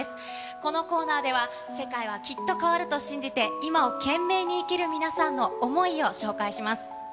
このコーナーでは、世界はきっと変わると信じて、今を懸命に生きる皆さんの想いを紹介します。